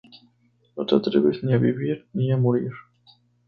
No te atreves ni a vivir ni a morir".